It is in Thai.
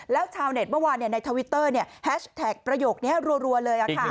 แล้วชาวเน็ตเมื่อวานเนี่ยในทวิตเตอร์เนี่ยแฮชแท็กประโยคเนี่ยรัวเลยอะค่ะ